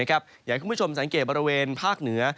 อยากให้คุณผู้ชมสังเกตบริเวณภาคเหนือ